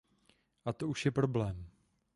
A to už je problém.